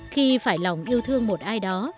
khi phải lòng yêu thương một ai đó